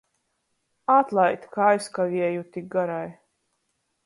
Atlaid, ka aizkavieju tik garai!